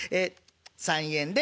３円で。